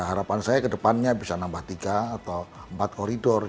harapan saya ke depannya bisa nambah tiga atau empat koridor